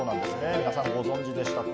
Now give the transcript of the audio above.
皆さん、ご存じでしたか？